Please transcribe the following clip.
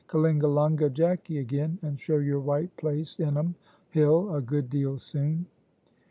Kalingalunga Jacky again, and show your white place in um hill a good deal soon."